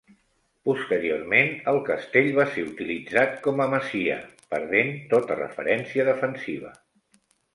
Posteriorment, el castell va ser utilitzat com a masia, perdent tota referència defensiva.